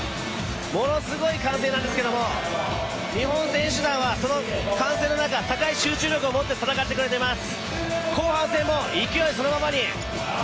ものすごい歓声なんですけども日本選手団はその歓声の中高い集中力もって戦ってくれています。